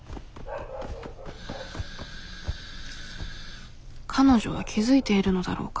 彼女は気付いているのだろうか。